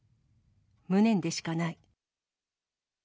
無念でしかない。